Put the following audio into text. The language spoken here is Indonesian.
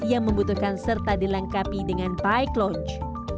yang membutuhkan serta dilengkapi dengan bike launch